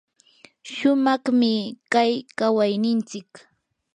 shumaqmi kay kawaynintsik.